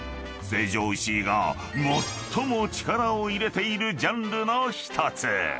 ［成城石井が最も力を入れているジャンルの１つ］